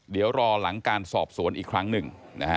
เดี๋ยวรอหลังการสอบสวนอีกครั้งหนึ่งนะฮะ